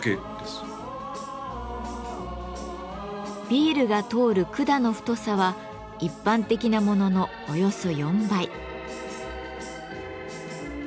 ビールが通る管の太さは一般的なもののおよそ４倍。